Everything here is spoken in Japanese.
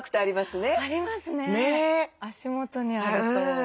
足元にあると。